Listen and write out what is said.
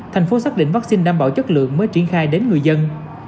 tp hcm xác định vaccine đảm bảo chất lượng mới triển khai đến người dân